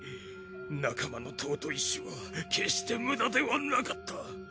仲間の尊い死は決して無駄ではなかった。